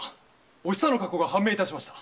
お久の過去が判明いたしました。